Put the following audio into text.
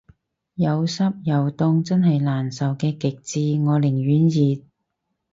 有濕又凍真係難受嘅極致，我寧願熱